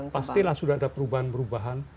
pastilah sudah ada perubahan perubahan